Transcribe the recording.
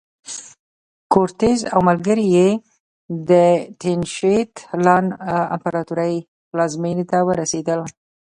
کورټز او ملګري یې د تینوشیت لان امپراتورۍ پلازمېنې ته ورسېدل.